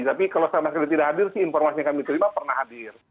tapi kalau sama sekali tidak hadir sih informasi yang kami terima pernah hadir